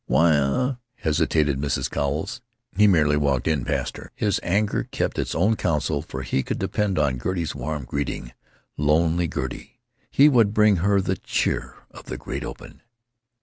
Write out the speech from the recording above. "Why, uh——" hesitated Mrs. Cowles. He merely walked in past her. His anger kept its own council, for he could depend upon Gertie's warm greeting—lonely Gertie, he would bring her the cheer of the great open.